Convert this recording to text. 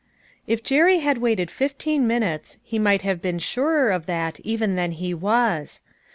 If Jerry had waited fifteen minutes he might have been surer of that even than he was.